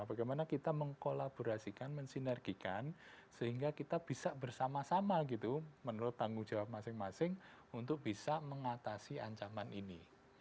bagaimana kita mengkolaborasikan mensinergikan sehingga kita bisa bersama sama gitu menurut tanggung jawab masing masing untuk bisa mengatasi ancaman ini